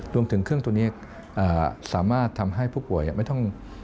รวมถึงเครื่องตัวนี้สามารถทำให้ผู้ป่วยไม่ต้อง